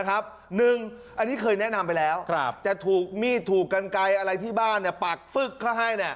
อันนี้เคยแนะนำไปแล้วจะถูกมีดถูกกันไกลอะไรที่บ้านปากฟึกเขาให้